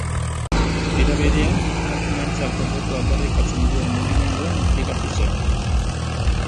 Era berean, emakumeentzako botoa aldarrikatzen duen mugimenduan inplikatu zen.